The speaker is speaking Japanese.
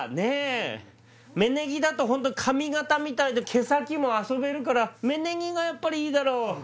芽ネギだと髪形みたいで毛先も遊べるから芽ネギがやっぱりいいだろう。